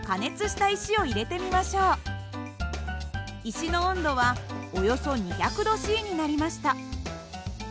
石の温度はおよそ２００℃になりました。